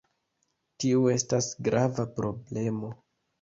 Tio estas grava problemo.